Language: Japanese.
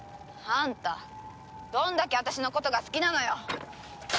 あんたどんだけ私のことが好きなのよ！